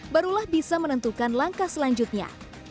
barulah bisa menentukan langkah selanjutnya